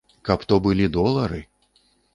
Каб то былі долары!